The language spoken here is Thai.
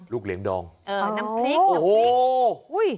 ฤกษ์เหรียญดองน้ำพริกอู้โห้ย